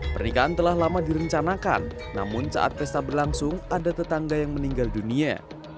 pernikahan telah lama direncanakan namun saat pesta berlangsung ada tetangga yang meninggal dunia